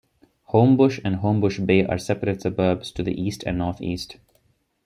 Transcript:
Homebush and Homebush Bay are separate suburbs to the east and north-east.